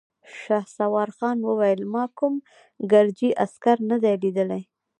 شهسوارخان وويل: ما کوم ګرجۍ عسکر نه دی ليدلی!